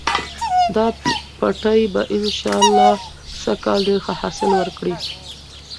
دا پټی به انشاالله سږکال ډېر ښه حاصل ورکړي.